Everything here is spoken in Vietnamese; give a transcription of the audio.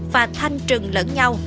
và thanh trừng lẫn nhau